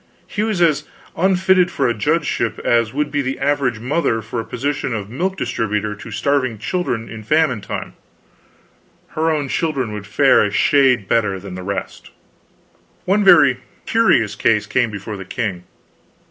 He was as unfitted for a judgeship as would be the average mother for the position of milk distributor to starving children in famine time; her own children would fare a shade better than the rest. One very curious case came before the king.